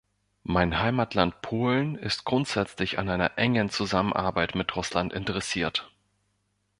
Mein Heimatland, Polen, ist grundsätzlich an einer engen Zusammenarbeit mit Russland interessiert.